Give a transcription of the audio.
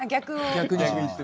逆にしました。